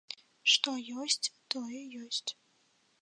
Што ёсць, тое ёсць.